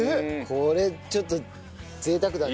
これちょっと贅沢だね。